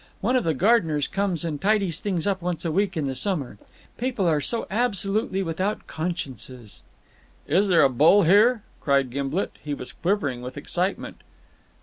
One of the gardeners comes and tidies things up once a week in the summer. People are so absolutely without consciences." "Is there a bull here?" cried Gimblet. He was quivering with excitement.